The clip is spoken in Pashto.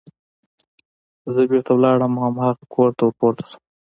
زه بېرته لاړم او هماغه کور ته ور پورته شوم